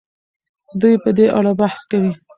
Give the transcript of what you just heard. دوی په دې اړه بحث کوي.